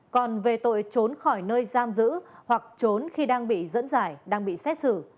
còn về tội trốn khỏi nơi giam giữ hoặc trốn khi đang bị dẫn giải đang bị xét xử